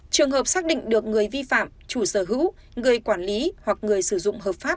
trường hợp xác định được người vi phạm chủ sở hữu người quản lý hoặc người sử dụng hợp pháp